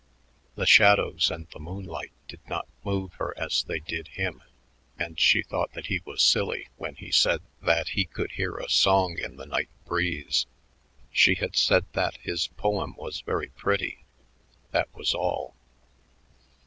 The shadows and the moonlight did not move her as they did him, and she thought that he was silly when he said that he could hear a song in the night breeze. She had said that his poem was very pretty. That was all.